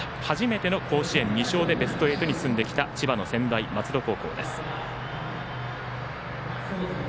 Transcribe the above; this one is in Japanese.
初めての甲子園２勝で進んできました千葉の専大松戸高校です。